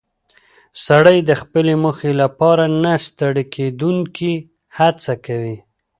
سړی د خپلې موخې لپاره نه ستړې کېدونکې هڅه کوي